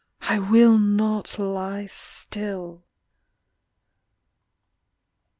I will not lie still!